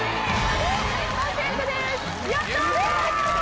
やった！